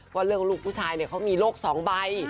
ว่าเรื่องลูกผู้ชายเนี่ยเขามีโรค๒ใบ